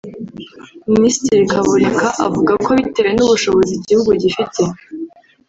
Minisitiri Kaboneka avuga ko bitewe n’ubushobozi igihugu gifite